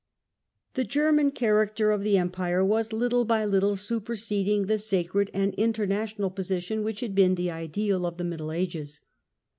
The German character of the GERMANY AND THE EMPIRE, 1273 1378 19 Empire was little by little superseding the sacred and international position which had been the ideal of the Middle Ages.